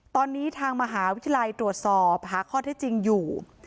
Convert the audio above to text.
ตอนนี้ทางมหาวิทยาลัยตรวจสอบหาข้อเท็จจริงอยู่